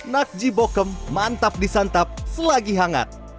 nak jibo kem mantap disantap selagi hangat